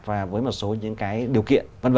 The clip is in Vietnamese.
và với một số những cái điều kiện v v